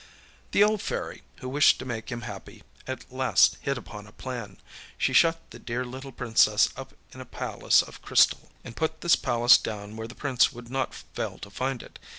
The old Fairy, who wished to make him happy, at last hit upon a plan. She shut the Dear Little Princess up in a palace of crystal, and put this palace down where the Prince would not fail to find it.